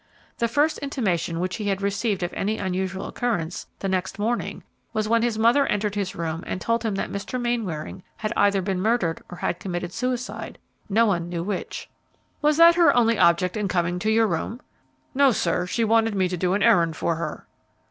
The first intimation which he had received of any unusual occurrence the next morning was when his mother entered his room and told him that Mr. Mainwaring had either been murdered or had committed suicide, no one knew which. "Was that her only object in coming to your room?" "No, sir; she wanted me to do an errand for her."